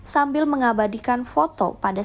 sambil mengabadikan foto pada